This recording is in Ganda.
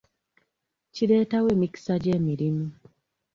Kireetawo emikisa gy'emirimu.